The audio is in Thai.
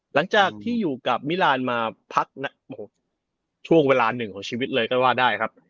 หลังจากที่อยู่กับมิลานมาพักช่วงเวลาหนึ่งของชีวิตเลยก็ว่าได้ครับ